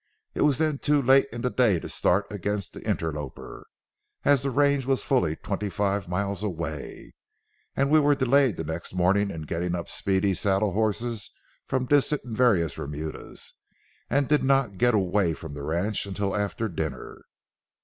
It was then too late in the day to start against the interloper, as the range was fully twenty five miles away, and we were delayed the next morning in getting up speedy saddle horses from distant and various remudas, and did not get away from the ranch until after dinner.